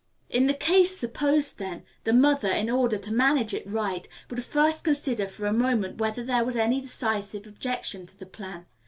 In the case supposed, then, the mother, in order to manage it right, would first consider for a moment whether there was any decisive objection to the plan.